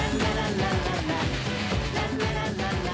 ララララランラン